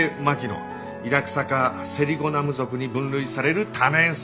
イラクサ科セリゴナム属に分類される多年草。